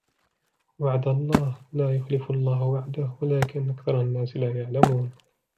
وعد الله لا يخلف الله وعده ولكن أكثر الناس لا يعلمون